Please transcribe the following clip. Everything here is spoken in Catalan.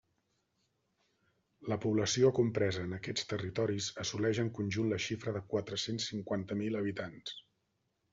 La població compresa en aquests territoris assoleix en conjunt la xifra de quatre-cents cinquanta mil habitants.